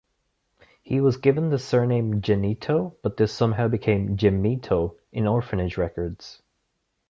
He was given the surname Genito, but this somehow became Gemito in orphanage records.